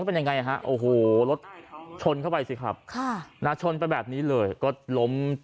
เป็นยังไงฮะโอ้โหรถชนเข้าไปสิครับค่ะนะชนไปแบบนี้เลยก็ล้ม